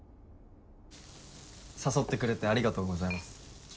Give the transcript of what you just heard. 誘ってくれてありがとうございます。